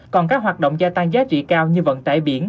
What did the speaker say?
còn các hoạt động gia tăng giá trị cao như vận tải biển